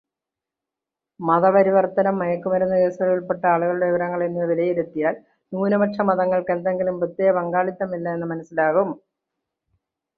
കേരളത്തിലെ മതപരിവർത്തനം, മയക്കുമരുന്ന് കേസുകളിൽ ഉൾപ്പെട്ട ആളുകളുടെ വിവരങ്ങൾ എന്നിവ വിലയിരുത്തിയാൽ ന്യൂനപക്ഷമതങ്ങൾക്ക് എന്തെങ്കിലും പ്രത്യേകപങ്കാളിത്തമില്ല എന്ന് മനസ്സിലാകും.